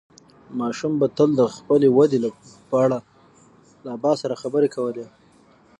ماشوم به تل د خپلې ودې په اړه له ابا سره خبرې کولې.